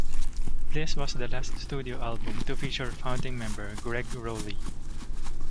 This was the last studio album to feature founding member Gregg Rolie.